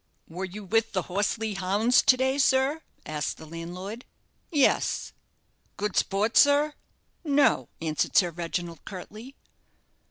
"Were you with the Horsely hounds to day, sir?" asked the landlord. "Yes." "Good sport, sir?" "No," answered Sir Reginald, curtly.